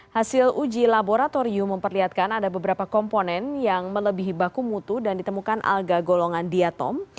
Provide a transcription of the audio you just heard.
hasil uji laboratorium memperlihatkan ada beberapa komponen yang melebihi baku mutu dan ditemukan alga golongan diatom